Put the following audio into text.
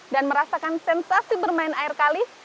dan merasakan sensasi bermain air kalis